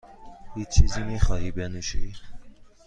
هیچ چیزی میخواهی بنوشی؟